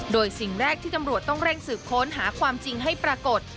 โดยสิ่งแรกที่ตำรวจต้องเร่งสืบค้นหาความจริงให้ปรากฏ